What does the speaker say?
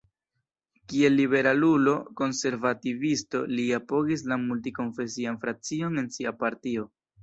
Kiel liberalulo-konservativisto li apogis la multi-konfesian frakcion en sia partio.